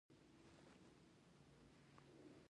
د امریکا جنوب موږ ته د خبیثه کړۍ انعطاف منونکې بڼه ښيي.